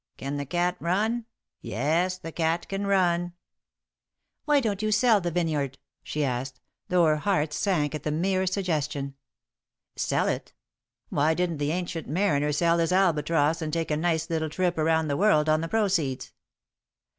Can the cat run? Yes, the cat can run.'" [Sidenote: Slaves of the Vineyard] "Why don't you sell the vineyard?" she asked, though her heart sank at the mere suggestion. "Sell it? Why didn't the Ancient Mariner sell his albatross and take a nice little trip around the world on the proceeds?